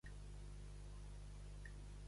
Bella parença és començament de bon astre.